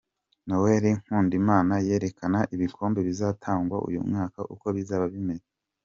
Noel Nkundimana yerekana ibikombe bizatangwa uyu mwaka uko bizaba bimeze.